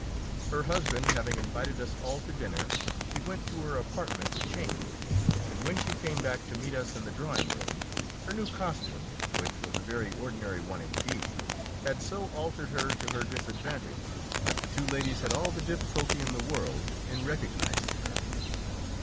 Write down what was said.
Her husband having invited us all to dinner, she went to her apartment to change, and when she came back to meet us in the drawing room, her new costume, which was a very ordinary one indeed, had so altered her to her disadvantage that the two ladies had all the difficulty in the world in recognising her.